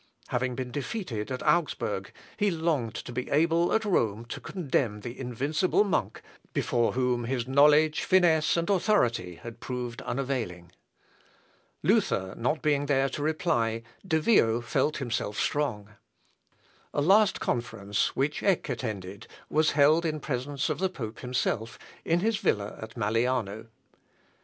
Having been defeated at Augsburg, he longed to be able at Rome to condemn the invincible monk, before whom his knowledge, finesse, and authority had proved unavailing. Luther not being there to reply, De Vio felt himself strong. A last conference, which Eck attended, was held in presence of the pope himself, in his villa at Malliano.